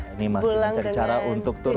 ini masih mencari cara untuk turun